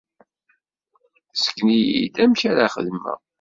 Sken-iyi-d amek ara xedmeɣ.